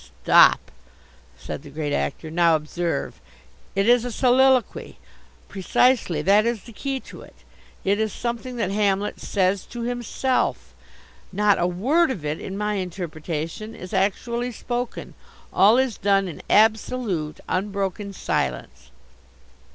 "Stop," said the Great Actor. "Now observe. It is a soliloquy. Precisely. That is the key to it. It is something that Hamlet says to himself. Not a word of it, in my interpretation, is actually spoken. All is done in absolute, unbroken silence."